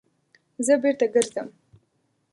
_زه بېرته ګرځم.